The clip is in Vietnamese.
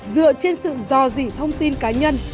dựa trên sự dò dỉ thông tin cá nhân